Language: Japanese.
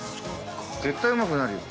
絶対うまくなるよ。